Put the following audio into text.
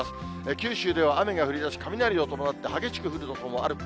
九州では雨が降りだし、雷を伴って、激しく降る所もある。